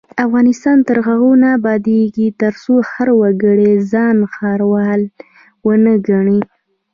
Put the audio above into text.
افغانستان تر هغو نه ابادیږي، ترڅو هر وګړی ځان ښاروال ونه ګڼي.